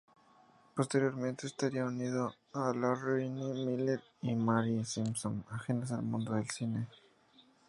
Posteriormente estaría unido a Lorraine Miller y Mary Simpson, ajenas al mundo del cine.